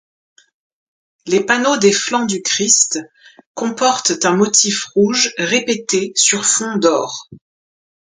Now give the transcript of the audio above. Les panneaux des flancs du Christ comportent un motif rouge répété sur fond d'or.